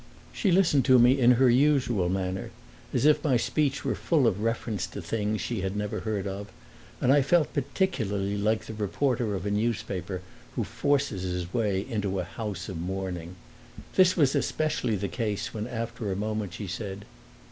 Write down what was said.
She listened to me in her usual manner, as if my speech were full of reference to things she had never heard of, and I felt particularly like the reporter of a newspaper who forces his way into a house of mourning. This was especially the case when after a moment she said.